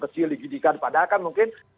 kecil digidikan padahal kan mungkin